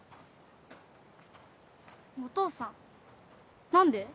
お父さん何で？